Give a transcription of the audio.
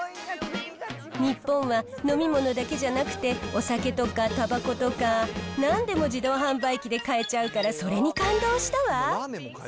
日本は飲み物だけじゃなくて、お酒とかたばことか、なんでも自動販売機で買えちゃうから、それに感動したわ。